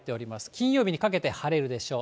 金曜日にかけて晴れるでしょう。